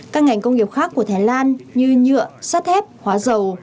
các ngành công nghiệp khác của thái lan như nhựa sắt thép hóa dầu